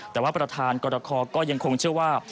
แต่ว่าประธานกรคอก็ยังคงเชื่อว่า